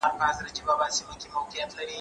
زه اجازه لرم چي ليکنه وکړم؟!